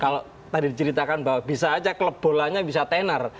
kalau tadi diceritakan bahwa bisa aja klub bolanya bisa tener